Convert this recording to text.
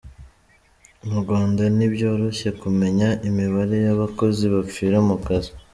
Mu Rwanda ntibyoroshye kumenya imibare y’ abakozi bapfira mu kazi….